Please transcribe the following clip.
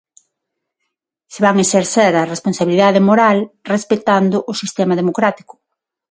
Se van exercer a responsabilidade moral respectando o sistema democrático.